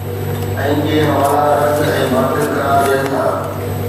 ۽ ڪي حوالا رد ۽ باطل قرار ڏين ٿا